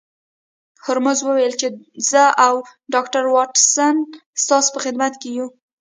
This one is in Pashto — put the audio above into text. هولمز وویل چې زه او ډاکټر واټسن ستاسو په خدمت کې یو